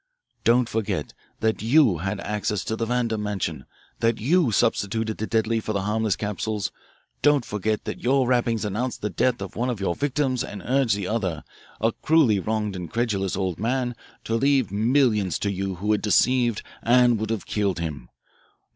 Don't forget that you had access to the Vandam mansion, that you substituted the deadly for the harmless capsules. Don't forget that your rappings announced the death of one of your victims and urged the other, a cruelly wronged and credulous old man, to leave millions to you who had deceived and would have killed him.